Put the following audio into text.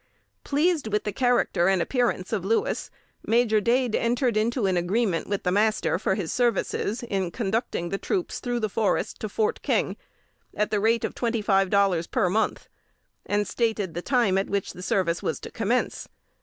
Pleased with the character and appearance of Louis, Major Dade entered into an agreement with the master for his services in conducting the troops through the forest to Fort King, at the rate of twenty five dollars per month, and stated the time at which the service was to commence.